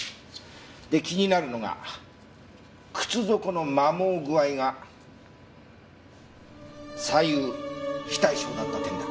で気になるのが靴底の磨耗具合が左右非対称だった点だ。